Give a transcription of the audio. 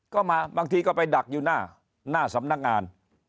ก็มาบางทีก็ไปดักอยู่หน้าสำนักงาน